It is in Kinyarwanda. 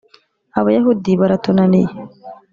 abayahudi baratunaniye